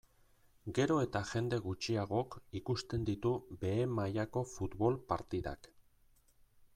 Gero eta jende gutxiagok ikusten ditu behe mailako futbol partidak.